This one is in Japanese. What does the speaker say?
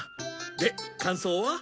で感想は？